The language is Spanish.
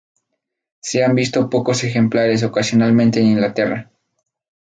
Se han visto pocos ejemplares ocasionalmente en Inglaterra.